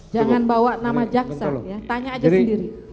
jangan bawa nama jaksa ya tanya aja sendiri